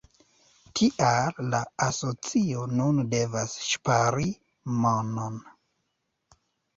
Tial la asocio nun devas ŝpari monon.